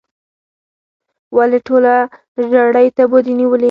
ونې ټوله ژړۍ تبو دي نیولې